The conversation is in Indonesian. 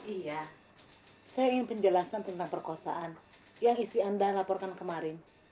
iya saya ingin penjelasan tentang perkosaan yang istri anda laporkan kemarin